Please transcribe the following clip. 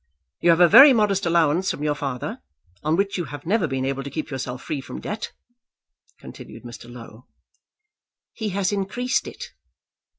"You have a very modest allowance from your father, on which you have never been able to keep yourself free from debt," continued Mr. Low. "He has increased it."